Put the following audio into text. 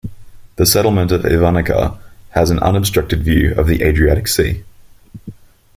The settlement of Ivanica has an unobstructed view of the Adriatic sea.